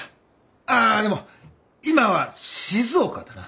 ああでも今は静岡だな。